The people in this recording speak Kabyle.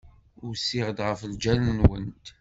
Usiɣ-d ɣef ljal-nwent.